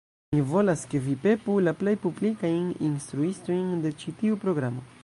Mi volas, ke vi pepu la plej publikajn instruistojn de ĉi tiu programo